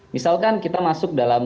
misalkan kita masuk dalam